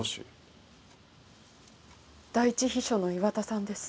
第一秘書の岩田さんです。